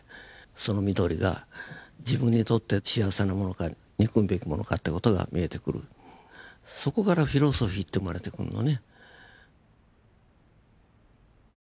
その緑が自分にとって幸せなものか憎むべきものかって事が見えてくるそこからフィロソフィーって生まれてくんのね。